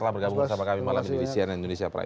telah bergabung bersama kami malam ini di cnn indonesia prime